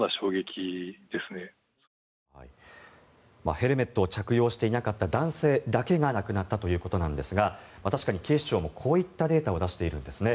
ヘルメットを着用していなかった男性だけが亡くなったということですが確かに警視庁もこういったデータを出しているんです。